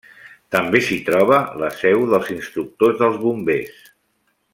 També s'hi troba la seu dels Instructors dels Bombers.